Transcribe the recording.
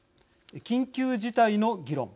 緊急事態の議論